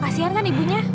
kasian kan ibunya